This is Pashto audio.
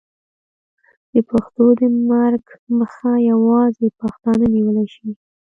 د پښتو د مرګ مخه یوازې پښتانه نیولی شي.